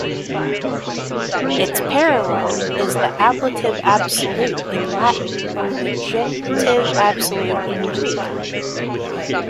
Its parallel is the ablative absolute in Latin or the genitive absolute in Greek.